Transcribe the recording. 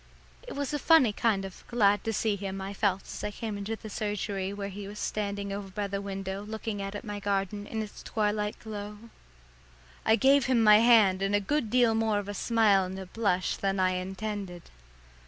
It was a funny glad to see him I felt as I came into the surgery where he was standing over by the window looking out at my garden in its twilight glow. I gave him my hand and a good deal more of a smile and a blush than I intended.